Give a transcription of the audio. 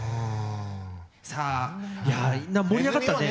さあ盛り上がったね。